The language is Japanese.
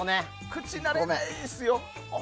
口慣れないですよ。